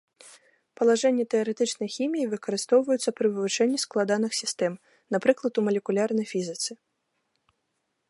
Палажэнні тэарэтычнай хіміі выкарыстоўваюцца пры вывучэнні складаных сістэм, напрыклад у малекулярнай фізіцы.